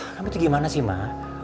kamu itu gimana sih mak